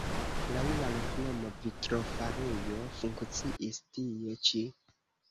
Laŭ la loknomo vitrofarejo funkciis tie ĉi.